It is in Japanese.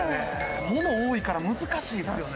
もの多いから難しいですよね。